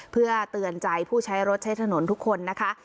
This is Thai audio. เพื่อเตือนใจผู้ใช้รถใช้ถนนทุกคนนะคะ